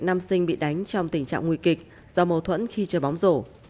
nam sinh bị đánh trong tình trạng nguy kịch do mâu thuẫn khi chơi bóng rổ